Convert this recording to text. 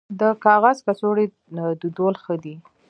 د کاغذ کڅوړې دودول ښه دي